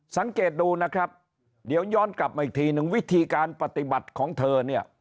สังเกตดูนะครับเดี๋ยวย้อนกลับมาอีกทีนึงวิธีการปฏิบัติของเธอเนี่ย